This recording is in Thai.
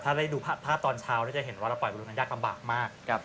ถ้าเราได้ดูภาพตอนเช้าจะเห็นว่าเราปล่อยบรรลุลูกนี้รำบากมาก